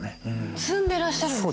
積んでらっしゃるんですか。